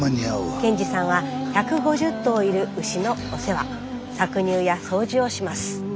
憲二さんは１５０頭いる牛のお世話搾乳や掃除をします。